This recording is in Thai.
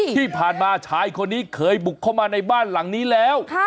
ที่ผ่านมาชายคนนี้เคยบุกเข้ามาในบ้านหลังนี้แล้ว